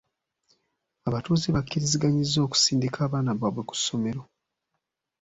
Abatuuze bakkiriziganyizza okusindika abaana baabwe ku ssomero.